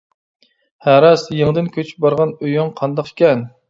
ھە راست، يېڭىدىن كۆچۈپ بارغان ئۆيۈڭ قانداق ئىكەن.